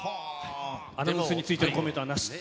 アナウンスについてのコメントはなしと。